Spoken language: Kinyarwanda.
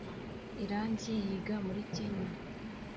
iranzi yiga muri kenya